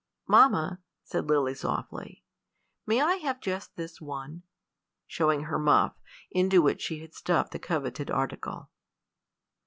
"Mamma," said Lily, softly, "may I have just this one?" showing her muff, into which she had stuffed the coveted article.